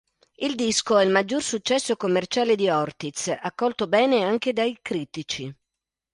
Il disco è il maggior successo commerciale di Ortiz, accolto bene anche dai critici.